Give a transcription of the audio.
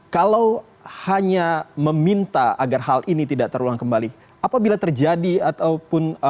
kalau hanya meminta agar hal ini tidak terulang kembali apabila terjadi ataupun